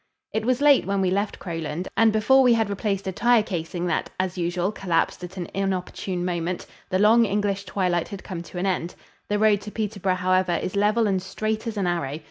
It was late when we left Crowland, and before we had replaced a tire casing that, as usual, collapsed at an inopportune moment, the long English twilight had come to an end. The road to Peterborough, however, is level and straight as an arrow.